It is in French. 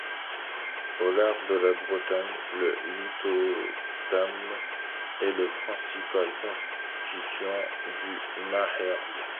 Au large de la Bretagne, le lithotamne est le principal constituant du maërl.